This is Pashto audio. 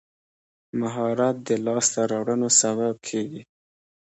مهارت د لاسته راوړنو سبب کېږي.